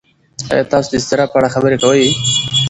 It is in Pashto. ایا تاسو د اضطراب په اړه خبرې کوئ؟